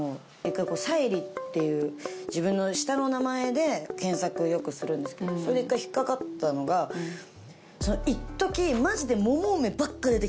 「沙莉」っていう自分の下の名前で検索よくするんですけどそれで１回引っ掛かったのがいっときマジで『モモウメ』ばっか出て来たんですよ。